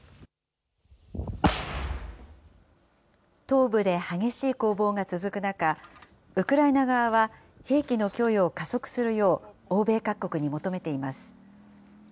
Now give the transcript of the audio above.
東部で激しい攻防が続く中、ウクライナ側は、兵器の供与を加速するよう、欧米各国に求めています。